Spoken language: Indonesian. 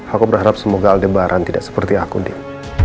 aku berharap semoga aldebaran tidak seperti aku din